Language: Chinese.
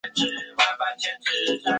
作品风格展现新魔幻现实主义。